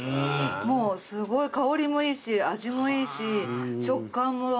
もうすごい香りもいいし味もいいし食感もばっちりです。